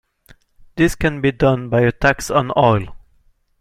This can be done by a tax on oil.